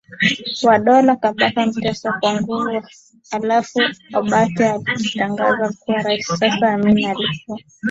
wa Dola Kabaka Mutesa kwa nguvu halafu Obote alijitangaza kuwa rais Sasa Amin alikuwa